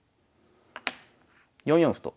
４四歩と。